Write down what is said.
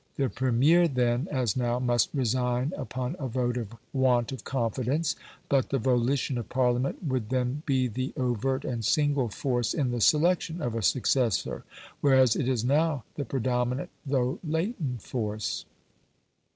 The Premier then, as now, must resign upon a vote of want of confidence, but the volition of Parliament would then be the overt and single force in the selection of a successor, whereas it is now the predominant though latent force.